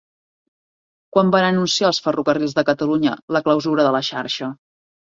Quan van anunciar els Ferrocarrils de Catalunya la clausura de la xarxa?